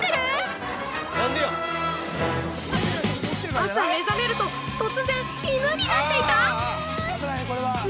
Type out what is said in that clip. ◆朝目覚めると、突然犬になっていていた？